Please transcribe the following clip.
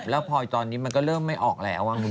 แล้วพลอยตอนนี้มันก็เริ่มไม่ออกแล้ว